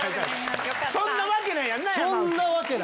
そんなわけないやんな！